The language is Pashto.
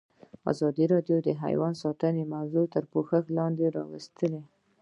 ازادي راډیو د حیوان ساتنه موضوع تر پوښښ لاندې راوستې.